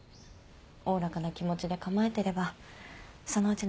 おおらかな気持ちで構えてればそのうち泣きやみますよ。